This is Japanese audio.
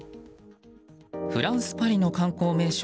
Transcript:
フランス・パリの観光名所